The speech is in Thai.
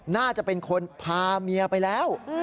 น่าจะเป็นคนพาเมียไปแล้ว